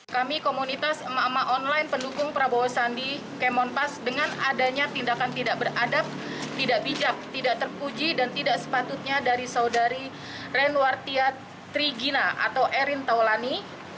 kami komunitas emak emak online pendukung prabowo sandi kemonpas dengan adanya tindakan tidak beradab tidak bijak tidak terpuji dan tidak sepatutnya dari saudari renwartia trigina atau erin taulani